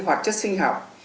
hoạt chất sinh học